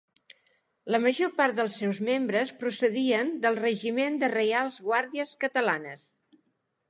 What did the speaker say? La major part dels seus membres procedien del Regiment de Reials Guàrdies Catalanes.